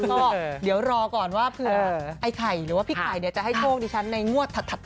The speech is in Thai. ก็เดี๋ยวรอก่อนว่าเผื่อไอ้ไข่หรือว่าพี่ไข่จะให้โชคดิฉันในงวดถัด